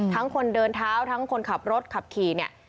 คนเดินเท้าทั้งคนขับรถขับขี่เนี่ย